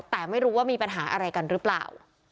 แต่ไม่รู้ว่ามีปัญหาอะไรกันหรือเปล่า